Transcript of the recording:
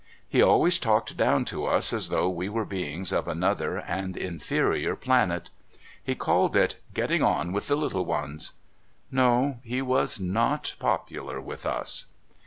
He always talked down to us as though we were beings of another and inferior planet. He called it, "Getting on with the little ones." No, he was not popular with us.